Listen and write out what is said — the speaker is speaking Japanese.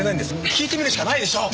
聞いてみるしかないでしょう。